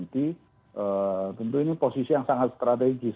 tentu ini posisi yang sangat strategis